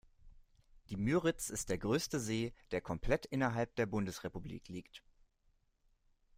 Die Müritz ist der größte See, der komplett innerhalb der Bundesrepublik liegt.